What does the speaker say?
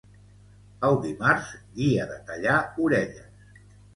El dimarts, dia de tallar orelles.